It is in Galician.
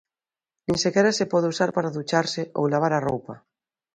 Nin sequera se pode usar para ducharse ou lavar a roupa.